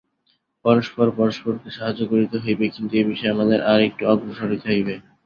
পরস্পর পরস্পরকে সাহায্য করিতে হইবে, কিন্তু এ-বিষয়ে আমাদের আর একটু অগ্রসর হইতে হইবে।